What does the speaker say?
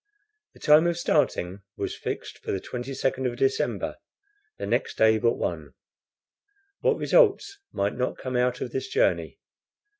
The time of starting was fixed for the 22d of December, the next day but one. What results might not come out of this journey.